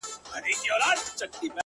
o گل وي ياران وي او سايه د غرمې ـ